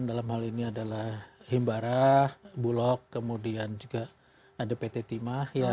dalam hal ini adalah himbarah bulog kemudian juga ada pt timah